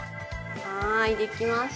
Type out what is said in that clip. はい出来ました。